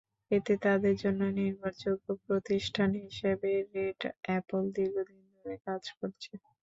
এতে তাঁদের জন্য নির্ভরযোগ্য প্রতিষ্ঠান হিসেবে রেড অ্যাপল দীর্ঘদিন ধরে কাজ করছে।